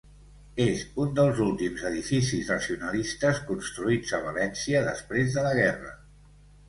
És un dels últims edificis racionalistes construïts a València després de la guerra.